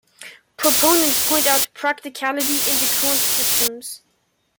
Proponents point out practicality in the current systems.